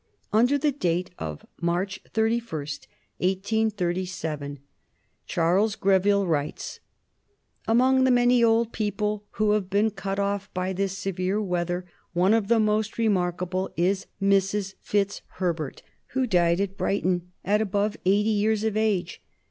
Under the date of March 31, 1837, Charles Greville writes: "Among the many old people who have been cut off by this severe weather, one of the most remarkable is Mrs. Fitzherbert, who died at Brighton at above eighty years of age.